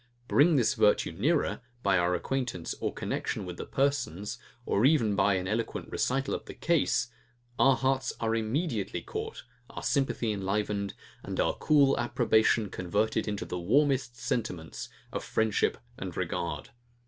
Bring this virtue nearer, by our acquaintance or connexion with the persons, or even by an eloquent recital of the case; our hearts are immediately caught, our sympathy enlivened, and our cool approbation converted into the warmest sentiments of friendship and regard.